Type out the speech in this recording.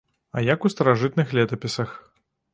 А як у старажытных летапісах.